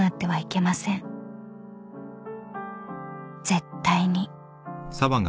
［絶対に］